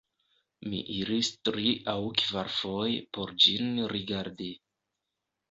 Mi iris tri-aŭ-kvarfoje por ĝin rigardi.